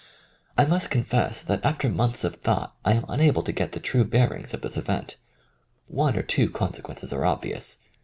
I must confess that after months of thought I am unable to get the true bear ings of this event. One or two consequences are obvious.